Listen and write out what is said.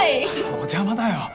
お邪魔だよ。